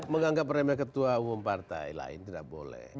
menganggap remeh ketua umum partai lain tidak boleh